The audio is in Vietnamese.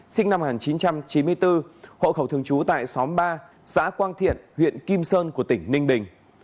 sinh năm một nghìn chín trăm chín mươi bốn hộ khẩu thường trú tại xóm ba xã quang thiện huyện kim sơn của tỉnh ninh bình